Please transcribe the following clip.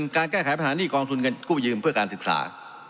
การแก้ไขปัญหานี่กองทุนเงินกู้ยืมเพื่อการศึกษา